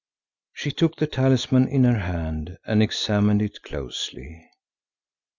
She took the talisman in her hand and examined it closely.